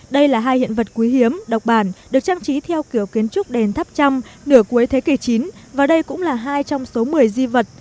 đây là hai hiện vật quý hiếm độc bản được trang trí theo kiểu kiến trúc đền tháp trăm nửa cuối thế kỷ chín và đây cũng là hai trong số một mươi di vật